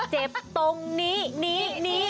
เจ็บตรงนี้นี้